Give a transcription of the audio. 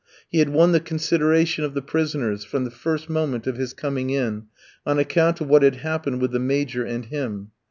He had won the consideration of the prisoners, from the first moment of his coming in, on account of what had happened with the Major and him.